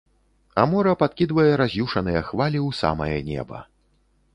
А мора падкідвае раз'юшаныя хвалі ў самае неба.